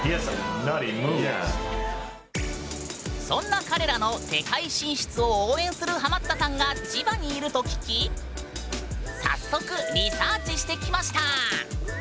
そんな彼らの世界進出を応援するハマったさんが千葉にいると聞き早速リサーチしてきました。